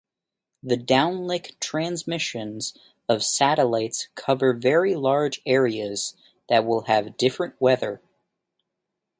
The downlink transmissions of satellites cover very large areas, that will have different weather.